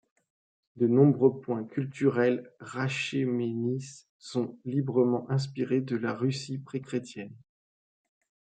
De nombreux points culturels rashéménis sont librement inspirée de la Russie pré-chrétienne.